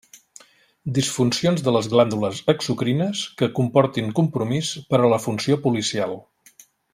Disfuncions de les glàndules exocrines que comportin compromís per a la funció policial.